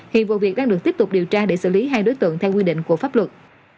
hiện vụ việc đang được tiếp tục điều tra để xử lý hai đối tượng theo quy định của pháp luật